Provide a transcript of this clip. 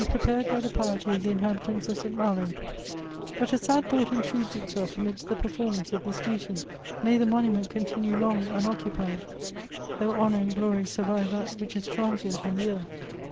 prepared by the piety of the mhabitants of St. Malo. But a sad thought incudes itself amidst the performance of this duty. May the monument oontiuue long unoccupied ; though honour and glory survive that which is tranisient on the earth